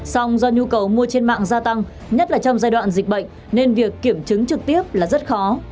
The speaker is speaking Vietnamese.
song do nhu cầu mua trên mạng gia tăng nhất là trong giai đoạn dịch bệnh nên việc kiểm chứng trực tiếp là rất khó